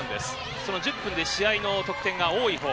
その１０分で試合の得点が多いほう。